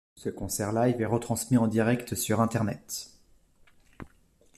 Ce concert-live est retransmis en direct sur Internet.